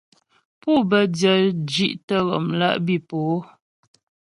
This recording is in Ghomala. Pû bə́ dyə̂ zhí'tə ghɔmlá' bǐ po.